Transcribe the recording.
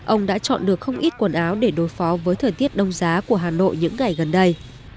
ông đã chọn được không ít quần áo để đối phó với thời tiết đông giá của hà nội những ngày gần đây